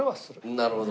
なるほど。